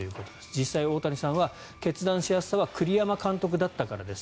実際、大谷さんは決断しやすさは栗山監督だったからです。